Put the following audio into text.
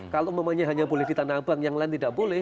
kalau memangnya hanya boleh di tanah abang yang lain tidak boleh